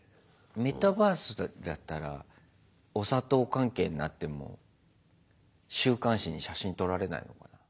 メタバースだったらお砂糖関係になっても週刊誌に写真撮られないのかな。